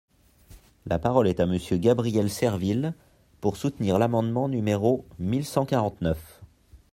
La parole est à Monsieur Gabriel Serville, pour soutenir l’amendement numéro mille cent quarante-neuf.